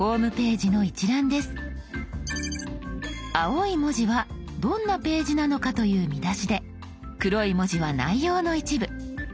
青い文字はどんなページなのかという見出しで黒い文字は内容の一部。